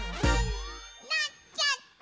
なっちゃった！